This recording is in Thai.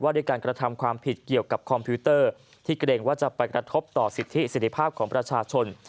ด้วยการกระทำความผิดเกี่ยวกับคอมพิวเตอร์ที่เกรงว่าจะไปกระทบต่อสิทธิเสร็จภาพของประชาชน